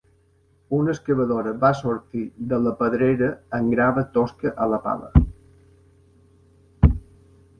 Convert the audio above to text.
Una excavadora va sortir de la pedrera amb grava tosca a la pala.